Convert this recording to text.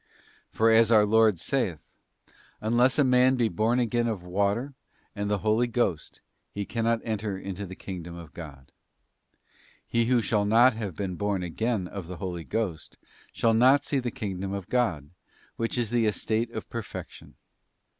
For as our Lord saith, ' Unless a man be born again of water and the Holy Ghost, he cannot enter into the kingdom of God.'* He who shall not have been born again of the Holy Ghost shall not see the kingdom of God, which is the estate of per fection.